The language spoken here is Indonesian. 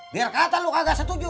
biar kata lu kagak setuju